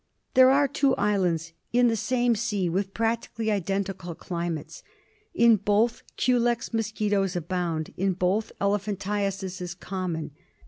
There are two islands in the same sea with practically identical climates. In both culex mosquitoes abound. In both elephantiasis is common.